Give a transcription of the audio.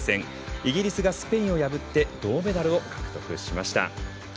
イギリスがスペインを破って銅メダルを獲得しました。